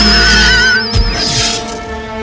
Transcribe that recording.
aku akan membuatnya sebaiknya